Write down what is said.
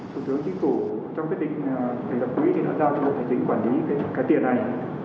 thủ tướng chính phủ trong quyết định thành lập quỹ thì nó giao cho bộ tài chính quản lý cái tiền này